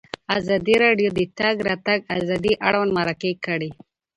ازادي راډیو د د تګ راتګ ازادي اړوند مرکې کړي.